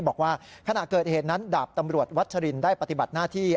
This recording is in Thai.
บอกว่าขณะเกิดเหตุนั้นดาบตำรวจวัชรินได้ปฏิบัติหน้าที่